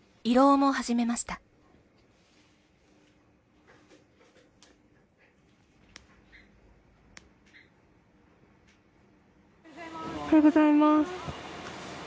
・おはようございます。